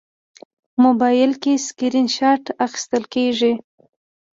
موبایل کې سکرین شات اخیستل کېږي.